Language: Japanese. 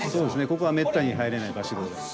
ここはめったに入れない場所。